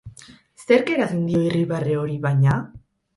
Zerk eragin dio irribarre hori, baina?